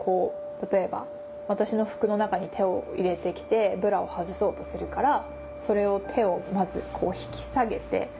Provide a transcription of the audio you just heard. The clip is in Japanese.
例えば私の服の中に手を入れて来てブラを外そうとするから手をまず引き下げて。